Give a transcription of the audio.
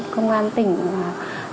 công an nhân dân